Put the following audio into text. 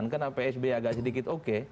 dua ribu sembilan karena psb agak sedikit oke